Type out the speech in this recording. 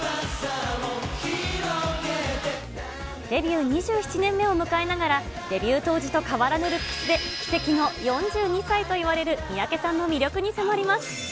デビュー２７年目を迎えながら、デビュー当時と変わらぬルックスで、奇跡の４２歳といわれる三宅さんの魅力に迫ります。